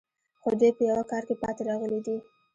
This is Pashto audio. خو دوی په یوه کار کې پاتې راغلي دي